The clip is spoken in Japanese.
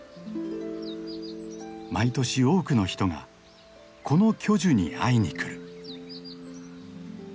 毎年多くの人がこの巨樹に会いにくる。